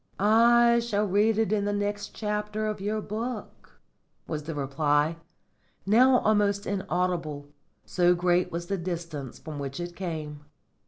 "I shall read it in the next chapter of your book," was the reply, now almost inaudible, so great was the distance from which it came.